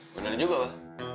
bener juga mbah